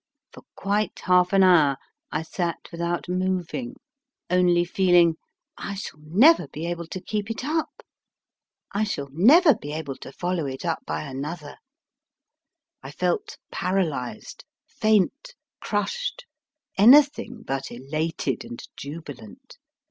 For quite half an hour I sat without moving, only feeling, I shall never be able to keep it up. I shall never be able I TOOK UP THE SATURDAY REVIEW to follow it up by another. I felt paralysed, faint, crushed, anything but elated and jubilant.